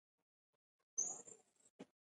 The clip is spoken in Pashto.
د غاښونو مصنوعي بدیلونه د خوړو خوند ته اغېز کوي.